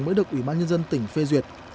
mới được ubnd tỉnh phê duyệt